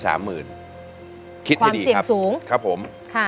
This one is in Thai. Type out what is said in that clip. ความเสี่ยงสูง